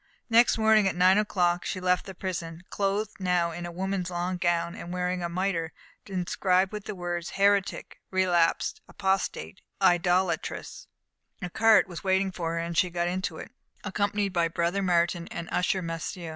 Next morning at nine o'clock she left the prison, clothed now in a woman's long gown, and wearing a mitre, inscribed with the words, Heretic, Relapsed, Apostate, Idolatress. A cart was waiting for her, and she got into it, accompanied by Brother Martin and the usher Massieu.